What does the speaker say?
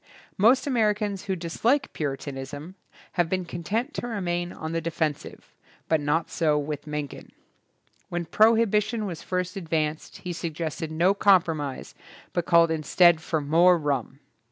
Most Americans who dislike Puritanism have been content to remain on the de fensive, but not so with Mencken. When prohibition was first advanced he suggested no compromise but called instead for more rum.